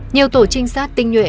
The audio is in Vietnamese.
nhiều tổ trinh sát tinh nhuệ